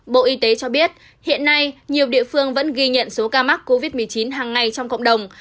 bộ y tế cho biết hiện nay nhiều địa phương vẫn ghi nhận số ca mắc covid một mươi chín hàng ngày trong cộng đồng